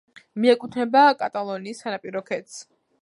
მიეკუთვნება კატალონიის სანაპირო ქედს.